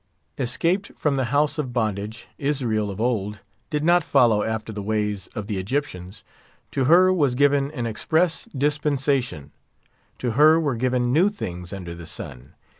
Escaped from the house of bondage, Israel of old did not follow after the ways of the Egyptians. To her was given an express dispensation; to her were given new things under the sun.